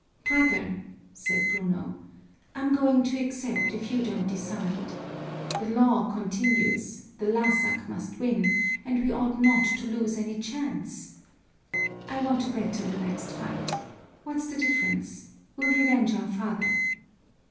"Brother," said Bruno, "I'm going to accept, if you don't decide. The law continues, the lásak must win and we ought not to lose any chance. I want to bet on the next fight. What's the difference? We'll revenge our father."